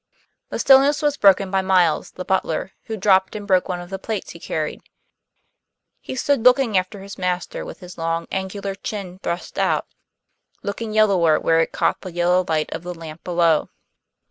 The stillness was broken by Miles, the butler, who dropped and broke one of the plates he carried. He stood looking after his master with his long, angular chin thrust out, looking yellower where it caught the yellow light of the lamp below.